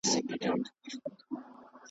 که چا پوښتنه درڅخه وکړه .